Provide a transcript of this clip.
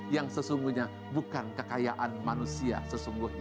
yang sesungguhnya bukan kekayaan manusia sesungguhnya